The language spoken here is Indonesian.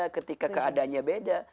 ketika keadanya beda